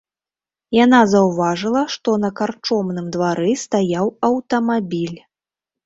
Яна заўважыла, што на карчомным двары стаяў аўтамабіль.